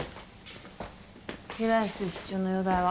平安室長の容体は？